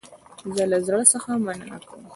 زه له زړه څخه مننه کوم